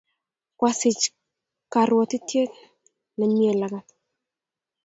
Koasich korwotitoet ne mie lagat.